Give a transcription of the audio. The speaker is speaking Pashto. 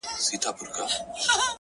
چي هغه زه له خياله وباسمه;